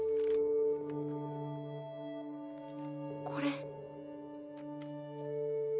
これ。